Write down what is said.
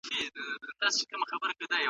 ټولنپوهنه د پوهنتون په نصاب کې سته.